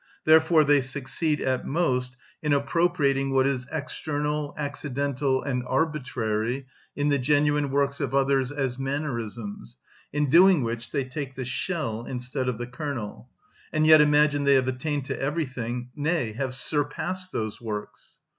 Therefore they succeed at most in appropriating what is external, accidental, and arbitrary in the genuine works of others as mannerisms, in doing which they take the shell instead of the kernel, and yet imagine they have attained to everything, nay, have surpassed those works.